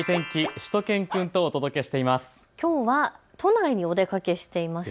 しゅと犬くんとお届けしています。